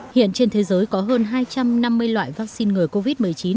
hiện trên thế giới có hơn hai trăm năm mươi loại vaccine ngừa covid một mươi chín